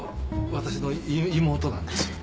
私の妹なんですよ。